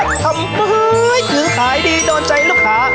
ทำไมถึงขายดีโดนใจลูกค้า